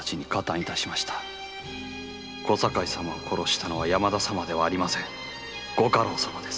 小堺様を殺したのは山田様ではありません。ご家老様です